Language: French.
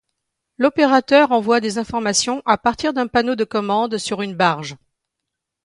L'opérateur envoie des informations à partir d'un panneau de commande sur une barge.